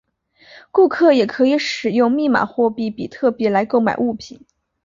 顾客也可以使用密码货币比特币来购买物品。